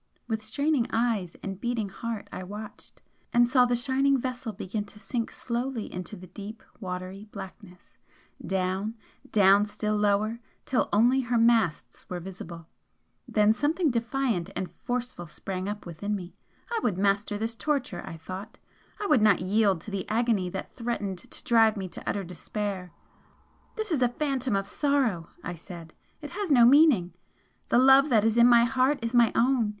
With straining eyes and beating heart I watched and saw the shining vessel begin to sink slowly into the deep watery blackness down, down still lower, till only her masts were visible then something defiant and forceful sprang up within me, I would master this torture, I thought I would not yield to the agony that threatened to drive me to utter despair. "This is a phantom of sorrow!" I said "It has no meaning! The love that is in my heart is my own!